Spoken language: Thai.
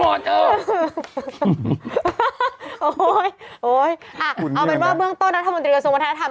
โอ้โหเอาเป็นว่าเบื้องต้นนักธรรมวิทยาลัยสมธนธรรม